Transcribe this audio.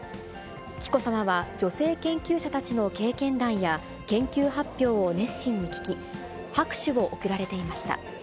紀子さまは、女性研究者たちの経験談や、研究発表を熱心に聞き、拍手を送られていました。